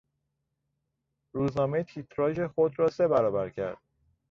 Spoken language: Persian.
روزنامه تیراژ خود را سه برابر کرد.